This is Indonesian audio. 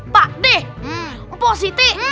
pak deh pak siti